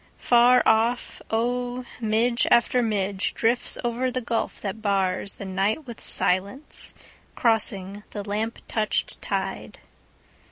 Far off, oh, midge after midgeDrifts over the gulf that barsThe night with silence, crossing the lamp touched tide.